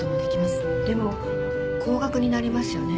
でも高額になりますよね？